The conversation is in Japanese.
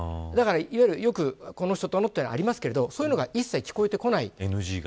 いわゆる、よくこの人とのというのありますけどそういうのが一切聞こえてこない。